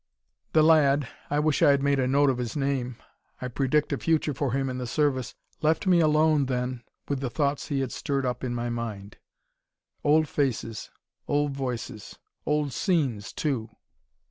The lad I wish I had made a note of his name; I predict a future for him in the Service left me alone, then, with the thoughts he had stirred up in my mind. Old faces ... old voices. Old scenes, too.